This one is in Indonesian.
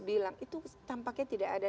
bilang itu tampaknya tidak ada